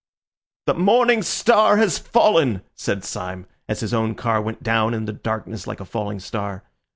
"The morning star has fallen!" said Syme, as his own car went down the darkness like a falling star.